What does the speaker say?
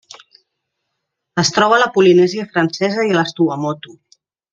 Es troba a la Polinèsia Francesa i a les Tuamotu.